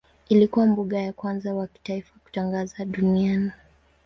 Ilikuwa mbuga ya kwanza wa kitaifa kutangazwa duniani.